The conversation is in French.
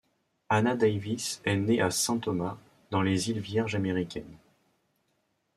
Hannah Davis est née à Saint Thomas, dans les Îles Vierges américaines.